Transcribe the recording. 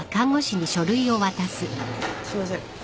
すいません。